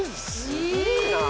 すげえな。